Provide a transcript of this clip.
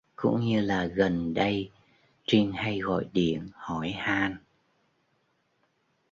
Cũng như là gần đây trinh hay gọi điện hỏi han